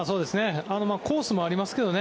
コースもありますけどね。